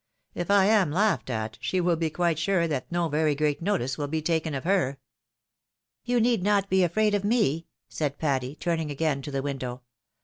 K I am laughed at, she will be quite sure that no very great notice will be taken of her." " You need not be afraid of me," said Patty, turning again to the window.